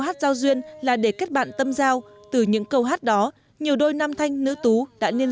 hát giao duyên là để kết bạn tâm giao từ những câu hát đó nhiều đôi nam thanh nữ tú đã liên